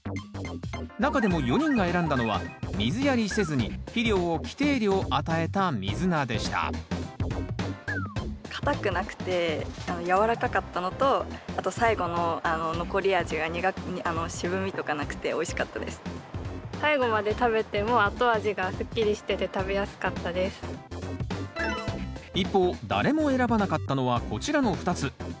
中でも４人が選んだのは水やりせずに肥料を規定量与えたミズナでした硬くなくてやわらかかったのとあと最後の残り味が最後まで食べても後味が一方誰も選ばなかったのはこちらの２つ。